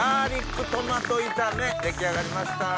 出来上がりました。